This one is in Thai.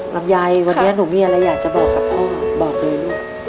น้ำยายวันเนี้ยหนูเงียนแล้วอยากจะบอกกับพ่อบอกเลย